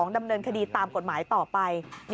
ดำเนินคดีตามกฎหมายต่อไป